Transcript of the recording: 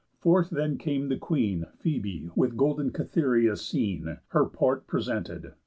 Forth then came the Queen; Phœbe, with golden Cytherea seen, Her port presented.